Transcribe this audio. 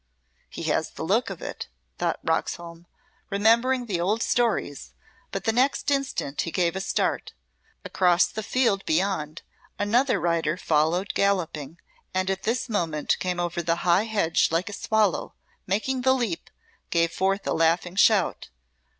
"He has the look of it," thought Roxholm, remembering the old stories; but the next instant he gave a start. Across the field beyond, another rider followed galloping, and at this moment came over the high hedge like a swallow, and, making the leap, gave forth a laughing shout.